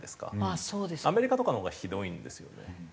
アメリカとかのほうがひどいんですよね。